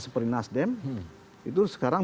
seperti nasdem itu sekarang